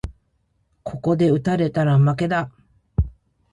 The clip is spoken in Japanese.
ここで打たれたら負けだ